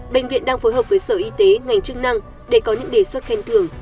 bệnh viện đang phối hợp với sở y tế ngành chức năng để có những đề xuất khen thưởng